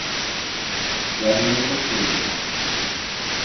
Gelmene çok sevindim.